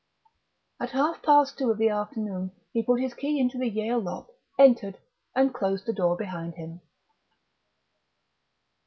At half past two of the afternoon he put his key into the Yale lock, entered, and closed the door behind him....